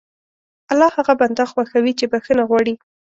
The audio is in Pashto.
الله هغه بنده خوښوي چې بښنه غواړي.